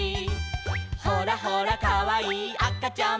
「ほらほらかわいいあかちゃんも」